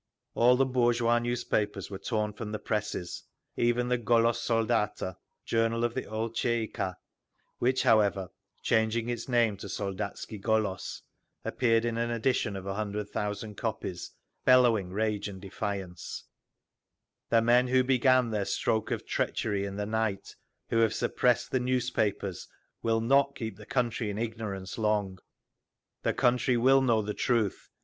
All the bourgeois newspapers were torn from the presses, even the Golos Soldata, journal of the old Tsay ee kah—which, however, changing its name to Soldatski Golos, appeared in an edition of a hundred thousand copies, bellowing rage and defiance: The men who began their stroke of treachery in the night, who have suppressed the newspapers, will not keep the country in ignorance long. The country will know the truth!